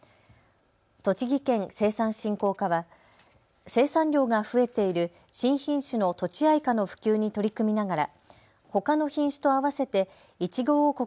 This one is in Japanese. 栃木県生産振興課は生産量が増えている新品種のとちあいかの普及に取り組みながらほかの品種と合わせていちご王国